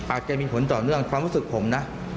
อาจจะมีผลต่อเนื่องความรู้สึกผมนะ